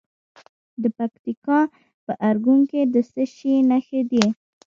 د پکتیکا په ارګون کې د څه شي نښې دي؟